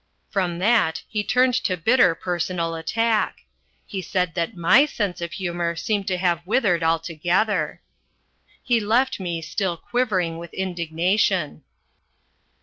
From that he turned to bitter personal attack. He said that my sense of humour seemed to have withered altogether. He left me, still quivering with indignation.